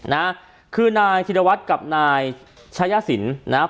นะฮะคือนายธิดวัฒน์กับนายชายสินนะฮะ